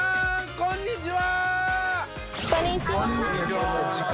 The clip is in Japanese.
こんにちは。